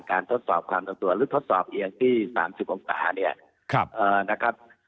การทดสอบความส่งตัวหรือทดสอบเองที่๓๖คัน